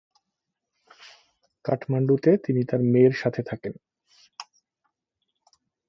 কাঠমান্ডুতে তিনি তার মেয়ের সাথে থাকেন।